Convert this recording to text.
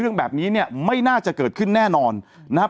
เรื่องแบบนี้เนี่ยไม่น่าจะเกิดขึ้นแน่นอนนะครับ